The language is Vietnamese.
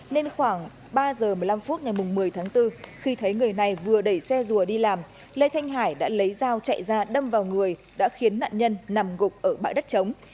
nên khoảng ba giờ một mươi năm phút ngày một mươi tháng bốn khi thấy người này vừa đẩy xe rùa đi làm lê thanh hải đã lấy dao chạy ra đâm vào người đã khiến nạn nhân nằm gục ở bãi đất chống